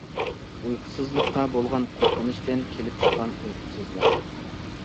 ئۇيقۇسىزلىققا بولغان قورقۇنچتىن كېلىپ چىققان ئۇيقۇسىزلىق.